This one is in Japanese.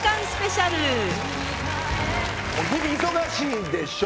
もう日々忙しいでしょ？